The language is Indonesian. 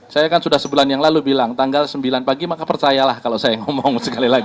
saya kan sudah sebulan yang lalu bilang tanggal sembilan pagi maka percayalah kalau saya ngomong sekali lagi